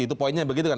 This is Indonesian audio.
itu poinnya begitu kan